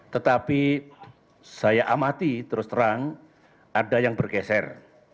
tetapi saya amati terus terang ada yang bergeser